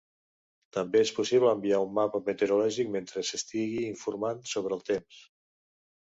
També és possible enviar un mapa meteorològic mentre s'estigui informat sobre el temps.